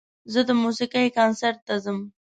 زه د موسیقۍ کنسرت ته ځم.